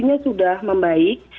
kondisinya sudah membaik